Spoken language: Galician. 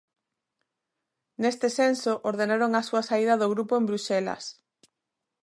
Neste senso, ordenaron a súa saída do grupo en Bruxelas.